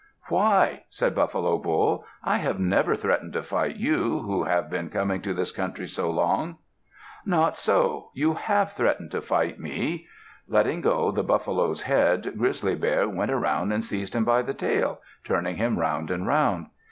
"Why!" said Buffalo Bull, "I have never threatened to fight you, who have been coming to this country so long." "Not so! You have threatened to fight me." Letting go the buffalo's head, Grizzly Bear went around and seized him by the tail, turning him round and round.